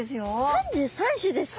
３３種ですか！